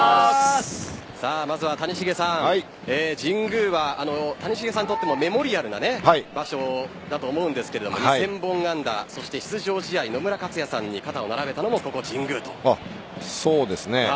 まずは谷繁さん神宮は谷繁さんにとってもメモリアルな場所だと思うんですが２０００本安打そして出場試合野村克也さんに肩を並べたのもここ神宮と。